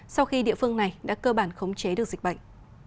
sau khi địa phương này đã cơ bản khống chế được dịch bệnh